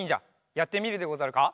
やってみるでござるか？